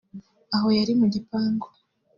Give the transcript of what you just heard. Aho yari mu gipangu